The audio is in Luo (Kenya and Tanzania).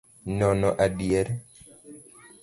Nono adier.